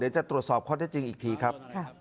จะตรวจสอบข้อได้จริงอีกทีครับ